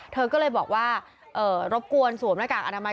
เธอก็เลยบอกว่ารบกวนสวมหน้ากากอนามัย